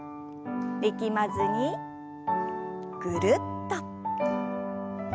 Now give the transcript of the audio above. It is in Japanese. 力まずにぐるっと。